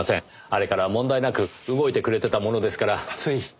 あれから問題なく動いてくれてたものですからつい。